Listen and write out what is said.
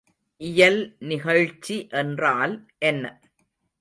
இயல்நிகழ்ச்சி என்றால் என்ன?